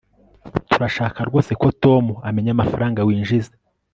turashaka rwose ko tom amenya amafaranga winjiza